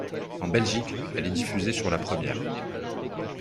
En Belgique, elle est diffusée sur La Première.